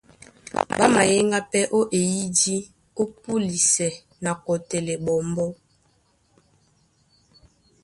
Ɓá mayéŋgá pɛ́ ó eyídí ó púlisɛ na kɔtɛlɛ ɓɔmbɔ́.